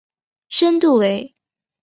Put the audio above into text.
深度为。